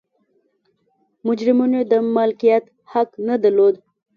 مجرمینو د مالکیت حق نه درلود.